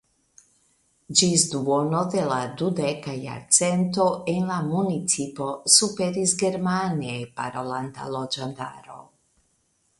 Ĝis duono de la dudeka jarcento en la municipo superis germane parolanta loĝantaro.